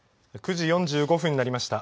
９時４５分になりました。